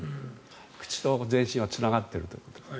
口と全身はつながっているということです。